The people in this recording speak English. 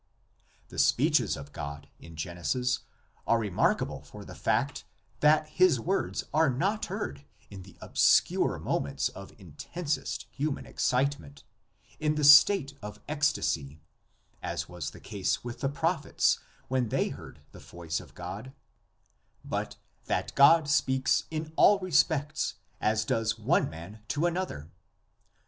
The speeches of God in Genesis are remarkable for the fact that his words are not heard in the obscure moments of intensest human excite ment, in the state of ecstasy, as was the case with the prophets when they heard the voice of God, but that God speaks in all respects as does one man to another.